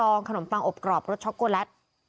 และก็คือว่าถึงแม้วันนี้จะพบรอยเท้าเสียแป้งจริงไหม